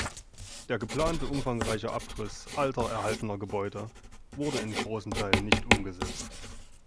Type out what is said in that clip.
Der geplante, umfangreiche Abriss alter erhaltener Gebäude wurde in großen Teilen nicht umgesetzt.